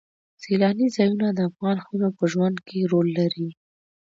سیلانی ځایونه د افغان ښځو په ژوند کې رول لري.